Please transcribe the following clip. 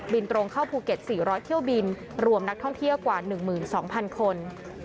ตรงเข้าภูเก็ต๔๐๐เที่ยวบินรวมนักท่องเที่ยวกว่า๑๒๐๐๐คน